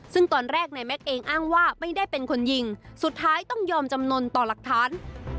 ซึ่งตอนแรกนายแม็กซ์เองอ้างว่าไม่ได้เป็นคนยิงสุดท้ายต้องยอมจำนวนต่อหลักฐาน